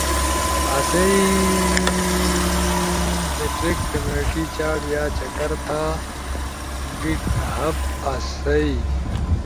آسئی میٹیکس کمیونٹی چاٹ یا چکر تھا گیٹ ہبا آسئی